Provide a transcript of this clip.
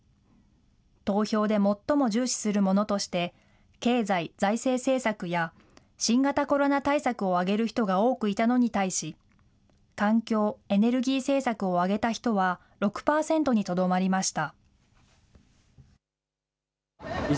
投票で最も重視するものとして、経済・財政政策や新型コロナ対策を挙げる人が多くいたのに対し、環境・エネルギー政策を挙げた人は６％にとどまりました。